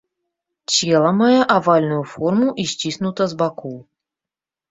Цела мае авальную форму і сціснута з бакоў.